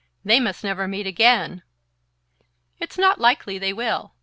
"They must never meet again!" "It's not likely they will.